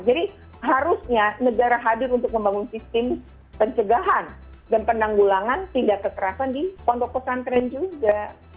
jadi harusnya negara hadir untuk membangun sistem pencegahan dan penanggulangan tindak kekerasan di pondok posantren juga